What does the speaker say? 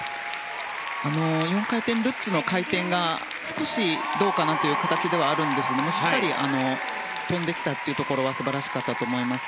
４回転ルッツの回転が少しどうかなという形でしたがしっかり跳んできたのは素晴らしかったと思います。